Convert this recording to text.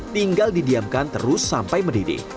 tinggal didiamkan terus sampai mendidih